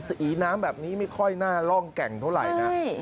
อีน้ำแบบนี้ไม่ค่อยน่าร่องแก่งเท่าไหร่นะ